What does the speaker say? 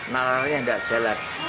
nalarnya nggak jalan